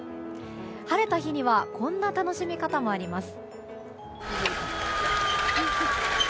晴れた日にはこんな楽しみ方もあります。